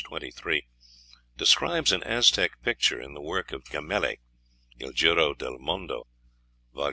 23) describes an Aztec picture in the work of Gemelli ("Il giro del mondo," vol.